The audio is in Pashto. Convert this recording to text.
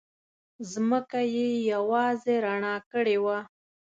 ځمکه یې یوازې رڼا کړې وه.